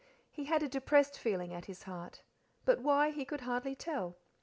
He had a depressed feeling at his heart, but why he could hardly tell.